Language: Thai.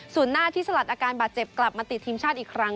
ส่วนหน้าที่สลัดอาการบาดเจ็บกลับมาติดทีมชาติอีกครั้ง